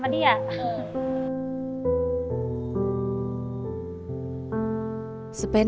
sepedangnya naila tidak bisa berjualan